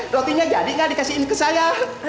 roti nya jadi gak dikasihin ke saya